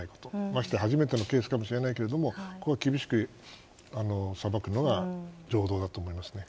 まして初めてのケースかもしれないけどこれは厳しく裁くのは常道だと思いますね。